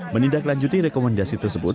menindaklanjuti rekomendasi tersebut